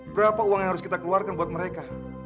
berapa uang yang harus kita keluarkan buat mereka